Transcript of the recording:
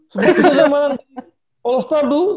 semua itu zaman all star dulu